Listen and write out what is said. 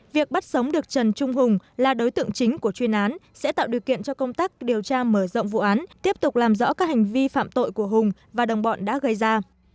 việc bắt sống được trần trung hùng là đối tượng chính của chuyên án sẽ tạo điều kiện cho công tác điều tra mở rộng vụ án tiếp tục làm rõ các hành vi phạm tội của hùng và đồng bọn đã gây ra